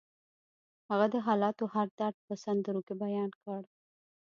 هغه د حالاتو هر درد په سندرو کې بیان کړ